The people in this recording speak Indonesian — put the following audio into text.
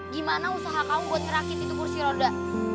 gimana usaha kamu buat ngerakit itu kursi roda